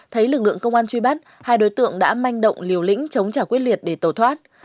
thấy lực lượng công an truy bắt hai đối tượng đã manh động liều lĩnh chống trả quyết liệt để tẩu thoát